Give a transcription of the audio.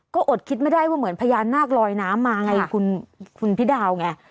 ก็อดคิดไม่ได้ว่าเหมือนพญานาคลอยน้ำมาไงคุณพี่ดาวไง